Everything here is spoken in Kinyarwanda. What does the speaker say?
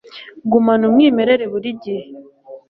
gumana umwimerere burigihe